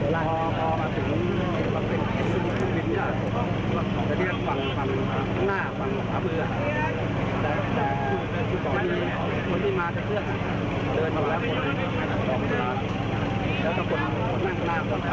และมันก็เป็นคนเลือกหน้าคนเค้า